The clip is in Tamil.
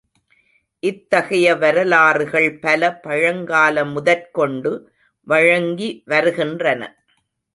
இத்தகைய வரலாறுகள் பல பழங்கால முதற் கொண்டு வழங்கி வருகின்றன.